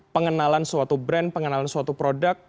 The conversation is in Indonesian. pengenalan suatu brand pengenalan suatu produk